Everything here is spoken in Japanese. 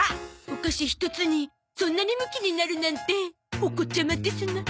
お菓子一つにそんなにムキになるなんてお子ちゃまですな。